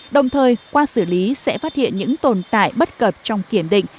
đồng thời qua xử lý sẽ phát hiện những tồn tại bất cập trong kiểm định